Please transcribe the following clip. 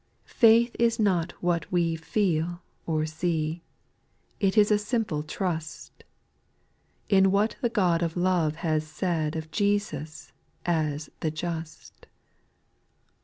4. Faith is not what we feel or see. It is a simple trust In what the God of love has said Of Jesus, as *'the just."